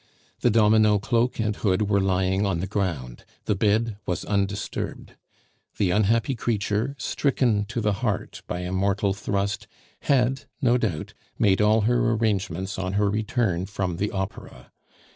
The domino cloak and hood were lying on the ground. The bed was undisturbed. The unhappy creature, stricken to the heart by a mortal thrust, had, no doubt, made all her arrangements on her return from the opera.